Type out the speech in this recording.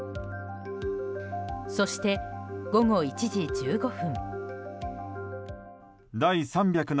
そして、午後１時１５分。